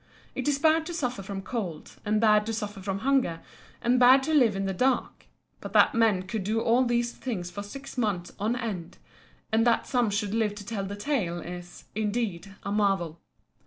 It is bad to suffer from cold and bad to suffer from hunger, and bad to live in the dark; but that men could do all these things for six months on end, and that some should live to tell the tale, is, indeed, a marvel.